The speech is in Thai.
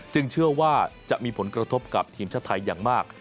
เชื่อว่าจะมีผลกระทบกับทีมชาติไทยอย่างมาก